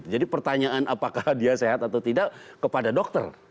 jadi pertanyaan apakah dia sehat atau tidak kepada dokter